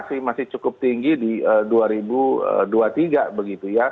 nah ini adalah hal yang cukup tinggi di dua ribu dua puluh tiga